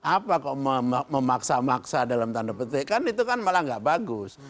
apa kok memaksa maksa dalam tanda petik kan itu kan malah gak bagus